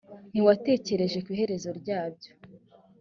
ntiwatekereje ku iherezo ryabyo